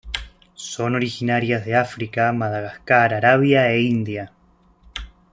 Son originarias de África, Madagascar, Arabia e India.